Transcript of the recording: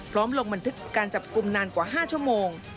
ลงบันทึกการจับกลุ่มนานกว่า๕ชั่วโมง